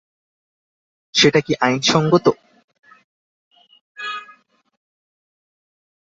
সেটা কি আইনসঙ্গত?